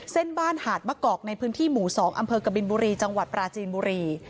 เส้นบ้านหาดมะกอกในพื้นที่หมู่๒อำเภอกบินบุรีจังหวัดปราจีนบุรี